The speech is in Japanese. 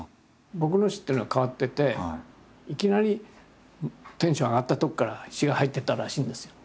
僕の詩っていうのは変わってていきなりテンション上がったとこから詩が入ってったらしいんですよ。